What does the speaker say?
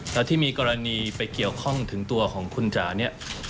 แล้วที่มีกรณีไปเกี่ยวข้องถึงตัวของคุณจ๋าเนี่ย